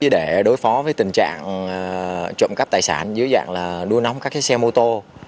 để đối phó với tình trạng trộm cắp tài sản dưới dạng đua nóng các xe mô tô